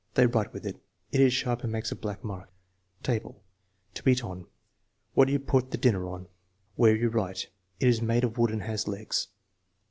"They write with it." "It is sharp and makes a black mark." Table: "To eat on." "What you put the dinner on." "Where you write." "It is made of wood and has legs."